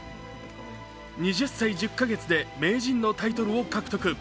２０歳１０か月で名人のタイトルを獲得。